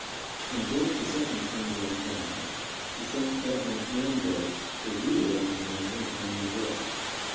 When James II. came to the throne, he sent Governor An´dros to rule over New England and New York.